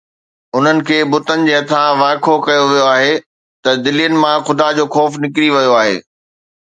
انهن کي بتن جي هٿان وائکو ڪيو ويو آهي ته دلين مان خدا جو خوف نڪري ويو آهي